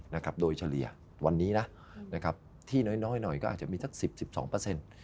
นะครับโดยเฉลี่ยวันนี้นะนะครับที่น้อยน้อยหน่อยก็อาจจะมีสักสิบสิบสองเปอร์เซ็นต์